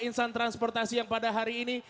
insan transportasi yang pada hari ini